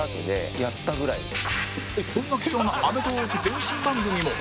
そんな貴重な『アメトーーク』前身番組も